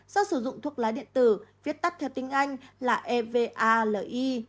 do sử dụng thuốc lá điện tử viết tắt theo tiếng anh là evali